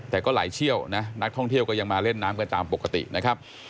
แต่ก็ไหลเชี่ยวนะนักท่องเที่ยวก็ยังมาเล่นน้ำกันตามปกตินะครับ